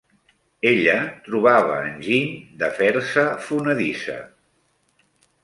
Ella trobava enginy de fer-se fonedissa.